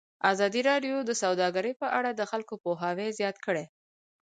ازادي راډیو د سوداګري په اړه د خلکو پوهاوی زیات کړی.